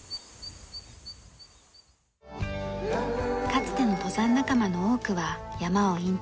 かつての登山仲間の多くは山を引退。